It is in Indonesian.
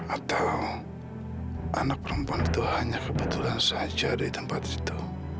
atau anak perempuan itu hanya kebetulan saja di tempat itu